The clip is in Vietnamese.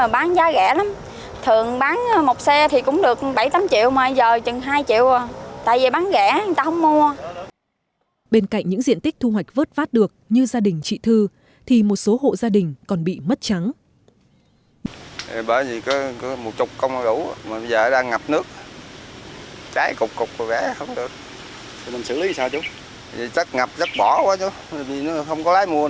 bên cạnh những diện tích thu hoạch vớt vát được như gia đình chị thư thì một số hộ gia đình còn bị mất trắng